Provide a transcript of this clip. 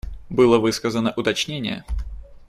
Было высказано уточнение.